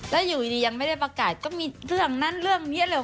แล้วอยู่ดียังไม่ได้ประกาศก็มีเรื่องนั้นเรื่องนี้เลย